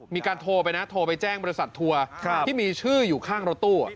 มีการโทรไปนะโทรไปแจ้งบริษัททัวร์ที่มีชื่ออยู่ข้างรถตู้